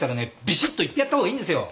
ビシッと言ってやったほうがいいんですよ。